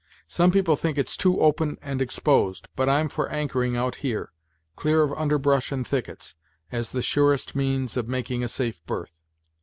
Some people think it's too open and exposed, but I'm for anchoring out here, clear of underbrush and thickets, as the surest means of making a safe berth."